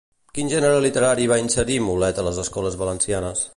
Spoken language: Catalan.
Quin gènere literari va inserir Mulet a les escoles valencianes?